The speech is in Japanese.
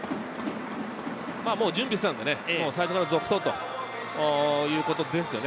準備していたのでね、最初から続投ということですね。